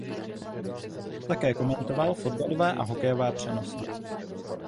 Také komentoval fotbalové a hokejové přenosy.